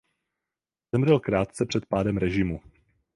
Zemřel krátce před pádem režimu.